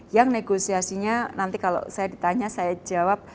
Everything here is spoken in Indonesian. yang negosiasinya nanti kalau saya ditanya saya jawab